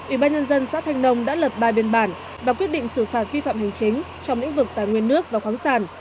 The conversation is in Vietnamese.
ubnd xã thanh nông đã lật bài biên bản và quyết định xử phạt vi phạm hành chính trong lĩnh vực tài nguyên nước và khoáng sản